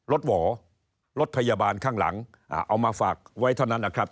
หวอรถพยาบาลข้างหลังเอามาฝากไว้เท่านั้นนะครับ